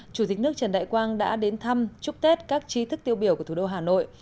chủ tịch nước trần đại quang đã đến thăm chúc tết các chi thức tiêu biểu của thủ đô hà nội